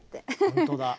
ほんとだ。